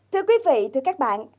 thưa quý vị thưa các bạn